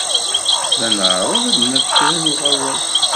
La nɛerreḍ ad d-naf kra n uɣawas.